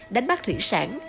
đánh bắt thủy sản